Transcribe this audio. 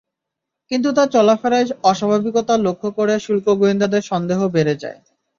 কিন্তু তাঁর চলাফেরায় অস্বাভাবিকতা লক্ষ করে শুল্ক গোয়েন্দাদের সন্দেহ বেড়ে যায়।